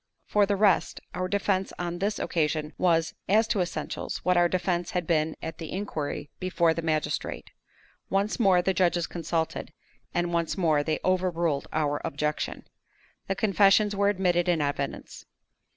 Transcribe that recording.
For the rest, our defense on this occasion was, as to essentials, what our defense had been at the inquiry before the magistrate. Once more the judges consulted, and once more they overruled our objection. The confessions were admitted in evidence.